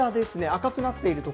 赤くなっている所。